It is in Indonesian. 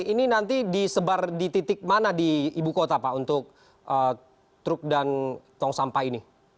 ini nanti disebar di titik mana di ibu kota pak untuk truk dan tong sampah ini